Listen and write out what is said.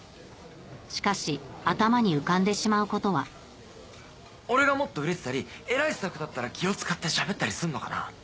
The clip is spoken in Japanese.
しかし頭に浮かんでしまうことは俺がもっと売れてたり偉いスタッフだったら気を使ってしゃべったりすんのかな？